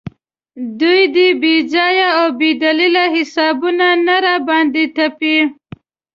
دوی دې بې ځایه او بې دلیله حسابونه نه راباندې تپي.